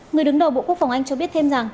người đứng đầu bộ quốc phòng anh cho biết thêm rằng